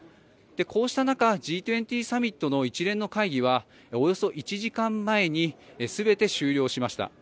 こうした中、Ｇ２０サミットの一連の会議はおよそ１時間前に全て終了しました。